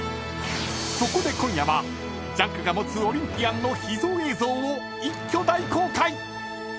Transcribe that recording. ［そこで今夜は『ジャンク』が持つオリンピアンの秘蔵映像を一挙大公開！］